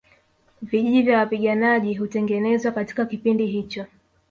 Vijiji vya wapiganaji hutengenezwa katika kipindi hicho